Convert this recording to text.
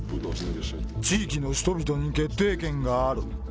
地域の人々に決定権がある。